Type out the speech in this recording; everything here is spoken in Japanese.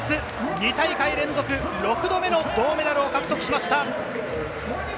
２大会連続、６度目の銅メダルを獲得しました。